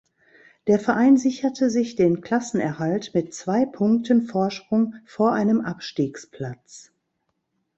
Der Verein sicherte sich den Klassenerhalt mit zwei Punkten Vorsprung vor einem Abstiegsplatz.